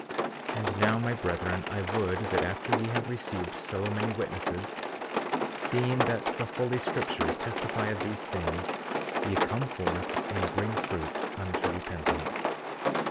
34:30 And now, my brethren, I would that, after ye have received so many witnesses, seeing that the holy scriptures testify of these things, ye come forth and bring fruit unto repentance.